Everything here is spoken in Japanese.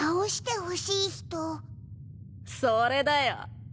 それだよ！